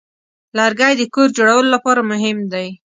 لرګی د کور جوړولو لپاره مهم دی.